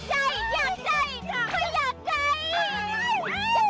ไม่อยากใจไม่อยากใจ